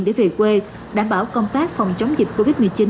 để về quê đảm bảo công tác phòng chống dịch covid một mươi chín